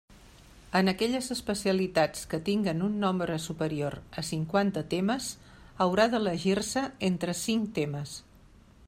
En aquelles especialitats que tinguen un nombre superior a cinquanta temes, haurà d'elegir-se entre cinc temes.